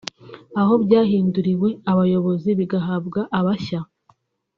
aho byahinduriwe abayobozi bigahabwa abashya